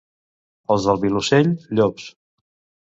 Els del Vilosell, llops.